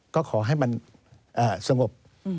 ก็ขอให้มันสงบ